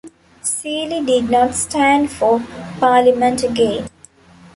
Seely did not stand for Parliament again.